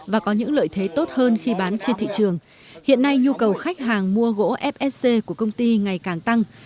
và có những lợi thế tốt hơn khi bán trên thị xã